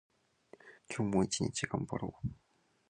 今日も一日頑張ろう。